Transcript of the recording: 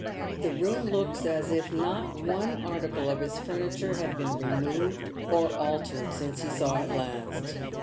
The room looks as if not one article of its furniture had been removed or altered since he saw it last.